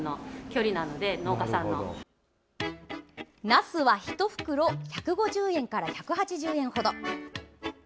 なすは１袋１５０円から１８０円ほど。